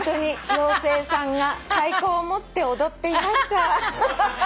妖精さんが太鼓を持って踊っていました。